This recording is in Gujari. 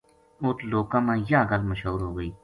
اُت لوکاں ما یاہ گل مشہور ہو گئی